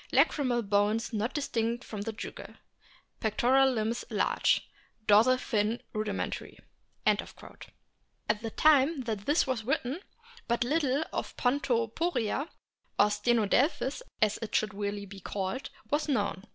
Lacrymal bones not distinct from the jugal. Pectoral limbs large. Dorsal fin rudimentary." At the time that this was written but little of Pon toporia (or Stenodelphis, as it should really be called) was known.